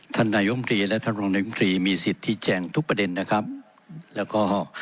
นายมตรีและท่านรองนายมตรีมีสิทธิ์ที่แจงทุกประเด็นนะครับแล้วก็